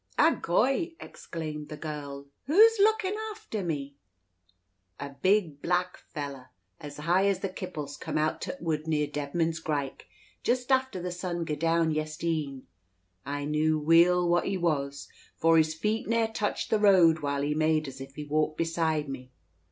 "Agoy!" exclaims the girl, "who's lookin' after me?" "A big black fella, as high as the kipples, came out o' the wood near Deadman's Grike, just after the sun gaed down yester e'en; I knew weel what he was, for his feet ne'er touched the road while he made as if he walked beside me.